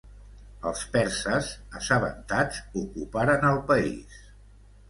Els perses, assabentats, ocuparen el país.